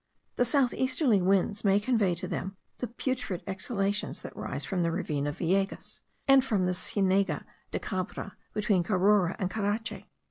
The south easterly winds may convey to them the putrid exhalations that rise from the ravine of Villegas, and from La Sienega de Cabra, between Carora and Carache.